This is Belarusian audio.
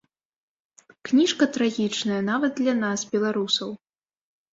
Кніжка трагічная, нават для нас, беларусаў.